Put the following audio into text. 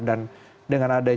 dan dengan adanya medikasi